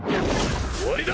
終わりだ！